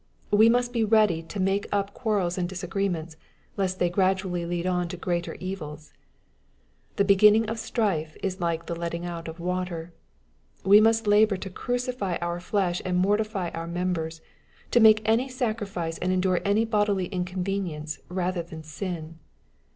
— We must be ready to make up quarrels and disagreements, lest they gradually lead on to greater evils. " The beginning of strife is like the letting out of water." — We must labor to crucify our flesh and mortify our members, to make any sacrifice and endure any bodily inconvenience rather than sin.